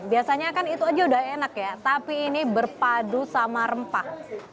biasanya kan itu aja udah enak ya tapi ini berpadu sama rempah